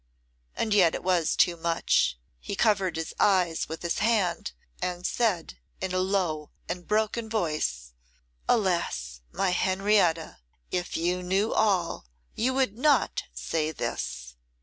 And yet it was too much; he covered his eyes with his hand, and said, in a low and broken voice, 'Alas! my Henrietta, if you knew all, you would not say this!